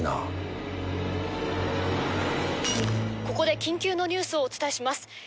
ここで緊急のニュースをお伝えします。